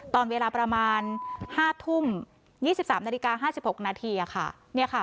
ตอนเวลาประมาณ๕ทุ่ม๒๓นาฬิกา๕๖นาทีค่ะ